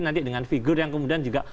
nanti dengan figur yang kemudian juga